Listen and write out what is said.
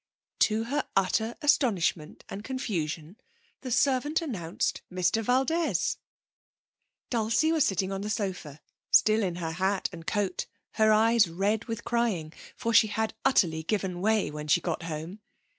To her utter astonishment and confusion the servant announced Mr Valdez. Dulcie was sitting on the sofa, still in her hat and coat, her eyes red with crying, for she had utterly given way when she got home.